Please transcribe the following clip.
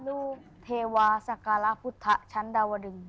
รูปเทวาสการะพุทธชั้นดาวดึง